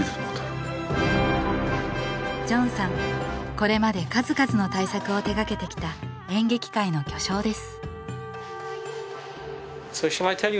これまで数々の大作を手がけてきた演劇界の巨匠です